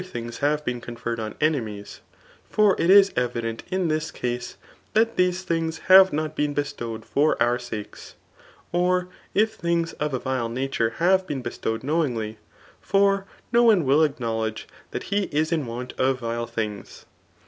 things have been confen^d on enenoes; for it is evident ki i this c^e, thiat> Aese choigs have .not. beeb bestOD^ed £br our sakes. Oi^ if things df. a!vile natniff have bem b^towed knowingly > fiat na one will acknow* ledge ^har he. is in want of rvile things.